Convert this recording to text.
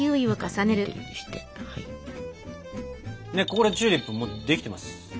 ここでチューリップもうできてます。